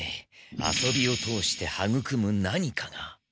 遊びを通して育む何かが。